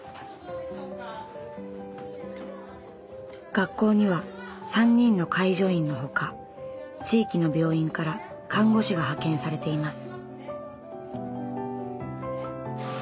学校には３人の介助員のほか地域の病院から看護師が派遣されています。